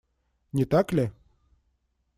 Не так ли?